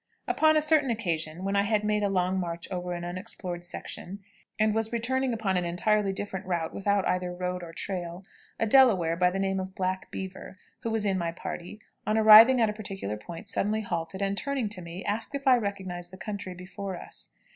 Upon a certain occasion, when I had made a long march over an unexplored section, and was returning upon an entirely different route without either road or trail, a Delaware, by the name of "Black Beaver," who was in my party, on arriving at a particular point, suddenly halted, and, turning to me, asked if I recognized the country before us.